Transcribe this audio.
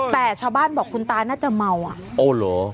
แต่ชาวบ้านบอกคุณตาน่าจะเมาอ่ะโอ้เหรอ